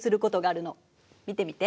見てみて。